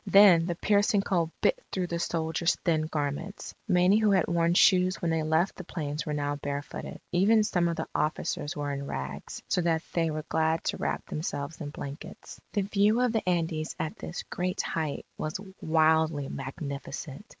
Then the piercing cold bit through the soldiers' thin garments. Many who had worn shoes when they left the plains, were now barefooted. Even some of the officers were in rags, so that they were glad to wrap themselves in blankets. The view of the Andes at this great height was wildly magnificent.